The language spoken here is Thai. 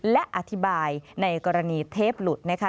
และอธิบายในกรณีเทปหลุดนะคะ